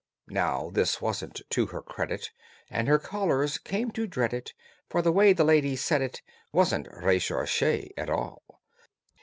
Now this wasn't to her credit, And her callers came to dread it, For the way the lady said it Wasn't recherche at all.